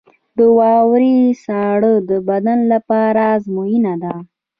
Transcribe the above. • د واورې ساړه د بدن لپاره ازموینه ده.